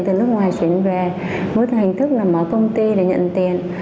từ nước ngoài chuyển về muốn thành thức là mở công ty để nhận tiền